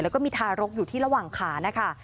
แล้วก็มีทารกอยู่ที่ระหว่างขานะคะ